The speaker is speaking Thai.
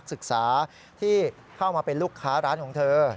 ศึกษาที่เข้ามาเป็นลูกค้าร้านของเธอ